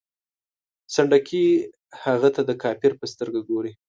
سنډکي هغه ته د کافر په سترګه ګوري.